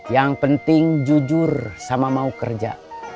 yang penting jujur sama mau kerja